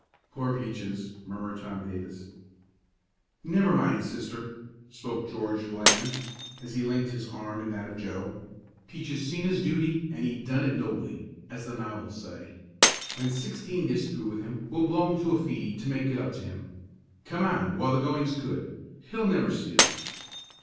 "Poor Peaches!" murmured Tom Davis. "Never mind, Sister," spoke George Bland, as he linked his arm in that of Joe. "Peaches seen his duty and he done it nobly, as the novels say. When Sixteen gets through with him we'll blow him to a feed to make it up to him. Come on while the going's good. He'll never see us."